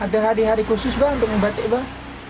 ada hari hari khusus mbah untuk membatik mbah